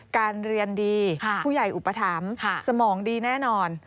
การเรียนดีผู้ใหญ่อุปถัมภ์สมองดีแน่นอน